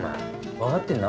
分かってんな？